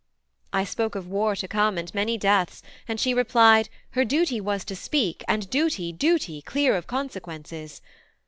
I spoke of war to come and many deaths, And she replied, her duty was to speak, And duty duty, clear of consequences.